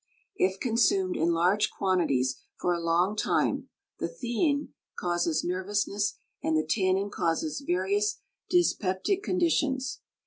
If consumed in large quantities for a long time the thein causes nervousness and the tannin causes various dyspeptic conditions.